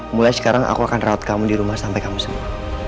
mulai sekarang aku akan rawat kamu di rumah sampai kamu sembuh